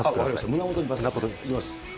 胸元に、いきます。